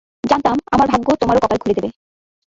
জানতাম আমার ভাগ্য তোমারও কপাল খুলে দেবে।